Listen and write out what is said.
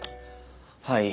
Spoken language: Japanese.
はい。